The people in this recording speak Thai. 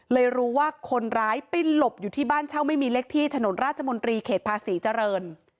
รู้ว่าคนร้ายไปหลบอยู่ที่บ้านเช่าไม่มีเลขที่ถนนราชมนตรีเขตภาษีเจริญ